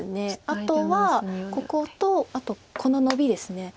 あとはこことあとこのノビです。